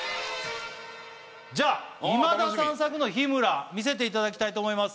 じゃあ今田さん作の日村見せていただきたいと思います。